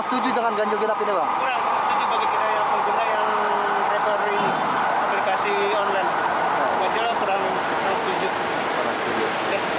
setuju dengan ganjil genap ini kurang setuju bagi kita yang pengguna yang rekomendasi online